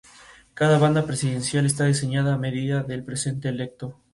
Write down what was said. Bisnieto de Sancho de Londoño, señor de Briones y comendador de Calatrava.